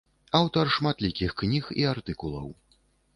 Аўтар шматлікіх кніг і артыкулаў.